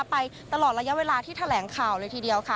ไปตลอดระยะเวลาที่แถลงข่าวเลยทีเดียวค่ะ